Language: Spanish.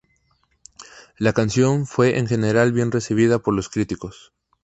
La canción fue en general bien recibida por los críticos.